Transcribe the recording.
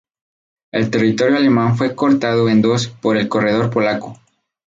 El territorio alemán fue cortado en dos por el "corredor polaco".